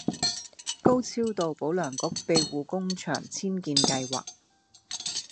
高超道保良局庇護工場遷建計劃